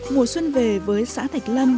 mùa xuân về với xã thạch lâm